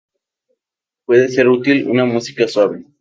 Puede ser útil una música suave.